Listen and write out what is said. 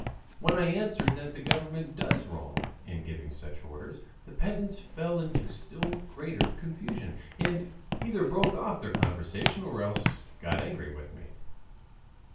When I answered that the government does wrong in giving such orders, the peasants fell into still greater confusion, and either broke off the conversation or else got angry with me.